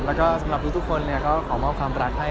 แล้วก็สำหรับทุกคนก็ขอมอบความรักให้